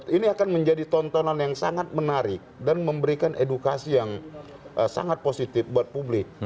ini akan menjadi tontonan yang sangat menarik dan memberikan edukasi yang sangat positif buat publik